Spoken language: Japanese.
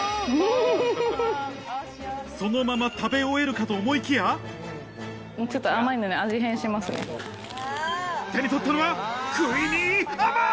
そのまま食べ終えるかと思いきや手に取ったのはクイニアマン！